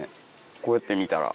こうやって見たら。